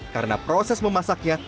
karena proses memasaknya